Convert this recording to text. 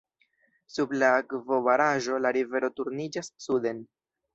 Sub la akvobaraĵo, la rivero turniĝas suden.